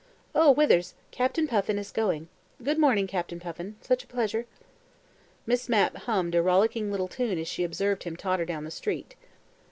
Oh, Withers, Captain Puffin is going. Good morning, Captain Puffin. Such a pleasure!" Miss Mapp hummed a rollicking little tune as she observed him totter down the street.